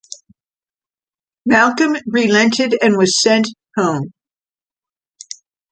Malcolm relented and was sent home.